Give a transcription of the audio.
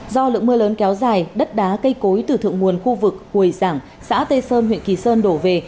do lượng mưa lớn kéo dài đất đá cây cối từ thượng nguồn khu vực quầy giảng xã tây sơn huyện kỳ sơn đổ về